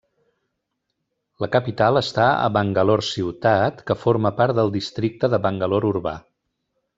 La capital està a Bangalore ciutat, que forma part del Districte de Bangalore Urbà.